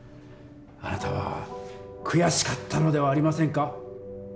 あなたは悔しかったのではありませんか？